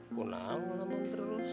punah anggota bang terus